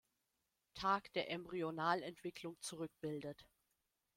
Tag der Embryonalentwicklung zurückbildet.